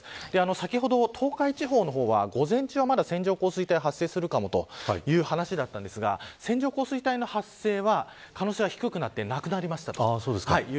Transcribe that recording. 先ほど東海地方の方は午前中は線状降水帯が発生するかもしれないという話でしたが線状降水帯の発生の可能性は低くなってなくなりました。